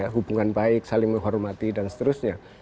hubungan baik saling menghormati dan seterusnya